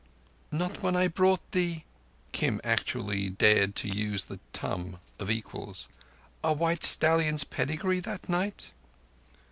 "Not when I brought thee"—Kim actually dared to use the tum of equals—"a white stallion's pedigree that night?"